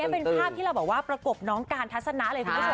เป็นภาพที่เราแบบว่าประกบน้องการทัศนะเลยคุณผู้ชม